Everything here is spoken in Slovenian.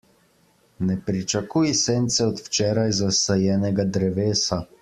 Ne pričakuj sence od včeraj zasajenega drevesa.